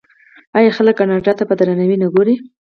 آیا خلک کاناډا ته په درناوي نه ګوري؟